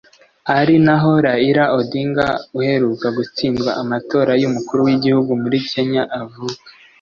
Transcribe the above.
ari naho Raila Odinga uheruka gutsindwa amatora y’umukuru w’igihugu muri Kenya avuka